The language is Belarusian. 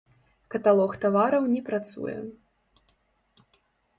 Каталог тавараў не працуе.